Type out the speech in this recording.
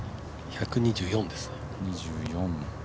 １２４です。